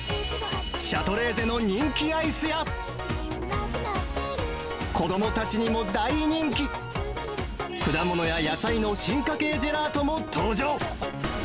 シャトレーゼの人気アイスや、子どもたちにも大人気、果物や野菜の進化系ジェラートも登場。